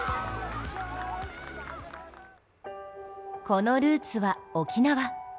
このルーツは、沖縄。